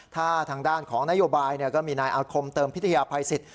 ถ้าทางด้านของนโยบายก็มีนายอาคมเติมพิทยาภัยสิทธิ